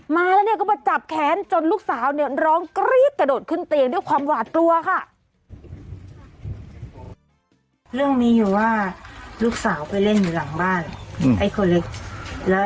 มาแล้วก็มาจับแขนจนลูกสาวร้องกระโดดขึ้นเตียงด้วยความหวาดกลัวค่ะ